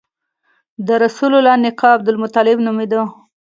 د رسول الله نیکه عبدالمطلب نومېده.